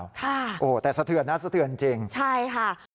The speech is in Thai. ค่ะโอ้แต่สะเทือนนะสะเทือนจริงใช่ค่ะ